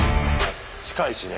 近いしね。